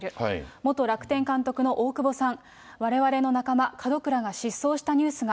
元楽天監督の大久保さん、われわれの仲間、門倉が失踪したニュースが。